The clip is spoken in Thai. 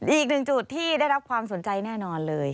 อีกหนึ่งจุดที่ได้รับความสนใจแน่นอนเลย